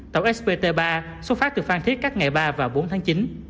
tàu spt ba xuất phát từ phan thiết các ngày ba và bốn tháng chín